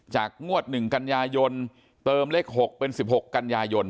จากงวด๑กัญญายนต์เติมเลข๖เป็น๑๖กัญญายนต์